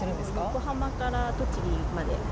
横浜から栃木まで。